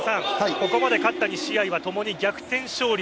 ここまで勝った２試合はともに逆転勝利。